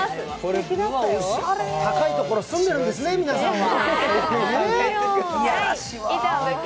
高いところ、住んでるんですね、皆さんは。